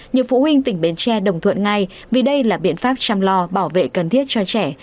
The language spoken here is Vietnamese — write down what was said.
nhiều phụ huynh tỉnh bến tre đồng thuận ngay vì đây là biện pháp chăm lo bảo vệ cần thiết cho trẻ